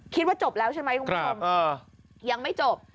คิดว่าจบแล้วใช่ไหมคุณผู้ชมยังไม่จบ